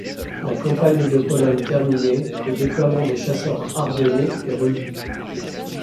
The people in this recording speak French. La campagne de Pologne terminée, le déploiement des chasseurs ardennais est revu.